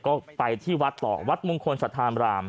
ก็ไปที่วัดต่อวัดมุงคลศรัทธารราม